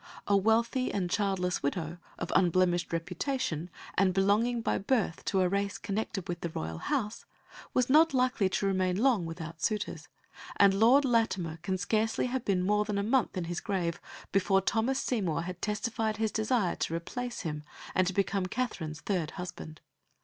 A wealthy and childless widow, of unblemished reputation, and belonging by birth to a race connected with the royal house, was not likely to remain long without suitors, and Lord Latimer can scarcely have been more than a month in his grave before Thomas Seymour had testified his desire to replace him and to become Katherine's third husband.